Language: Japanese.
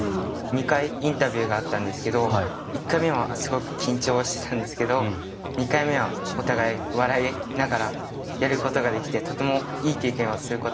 ２回インタビューがあったんですけど１回目はすごく緊張してたんですけど２回目はお互い笑いながらやることができてとてもいい経験をすることができました。